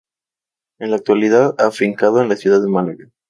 En la actualidad afincado en la ciudad de Málaga.